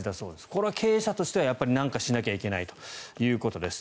これは経営者としては何かしなきゃいけないということです。